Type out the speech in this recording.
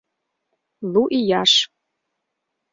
лу ияш